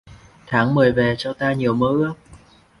Tháng mười về cho ta nhiều mơ ước